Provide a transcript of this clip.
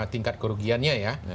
tingkat kerugiannya ya